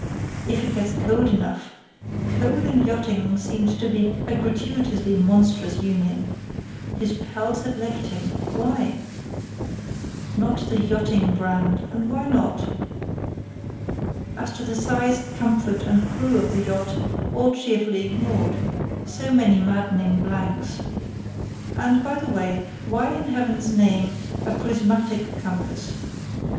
"If it gets cold enough"—cold and yachting seemed to be a gratuitously monstrous union. His pals had left him; why? "Not the 'yachting' brand"; and why not? As to the size, comfort, and crew of the yacht—all cheerfully ignored; so many maddening blanks. And, by the way, why in Heaven's name "a prismatic compass"?